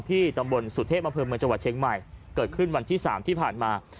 ตำบลสุเทพอำเภอเมืองจังหวัดเชียงใหม่เกิดขึ้นวันที่๓ที่ผ่านมา